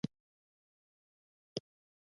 د سیریلیون اقلیم د جنوبي افریقا په څېر نه وو.